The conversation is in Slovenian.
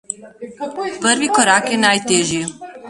Prvi korak je najtežji.